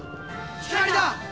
光だ！